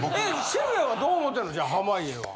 渋谷はどう思てんのじゃあ濱家は。